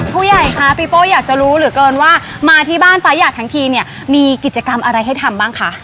ผู้ใหญ่คะปีโป้อยากจะรู้เหลือเกินว่ามาที่บ้านฟ้าหยาดทั้งทีเนี่ยมีกิจกรรมอะไรให้ทำบ้างคะ